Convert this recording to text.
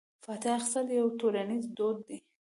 فاتحه اخیستل یو ټولنیز دود دی.